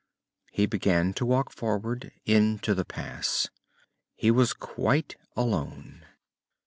He began to walk forward, into the pass. He was quite alone.